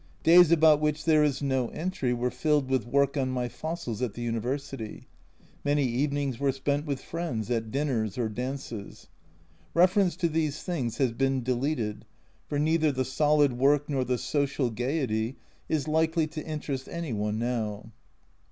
Days about which there is no entry were filled with work on my fossils at the University. Many evenings were spent with friends at dinners or dances. Reference to these things has been deleted, for neither vii viii A Journal from Japan the solid work nor the social gaiety is likely to interest any one now.